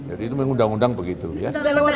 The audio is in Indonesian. jadi itu mengundang undang begitu ya